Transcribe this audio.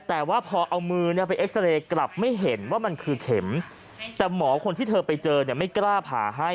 แต่ว่าพอเอามือไปเอ็กซาเรย์กลับไม่เห็นว่ามันคือเข็มแต่หมอคนที่เธอไปเจอเนี่ยไม่กล้าผ่าให้